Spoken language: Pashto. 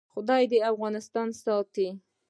خدای دې افغانستان ساتي